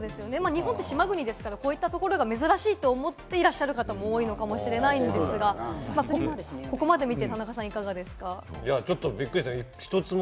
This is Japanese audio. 日本は島国ですから、こういったところが珍しいと思っていらっしゃる方が多いかもしれないんですが、ここまで見て田中さん、いかがですか？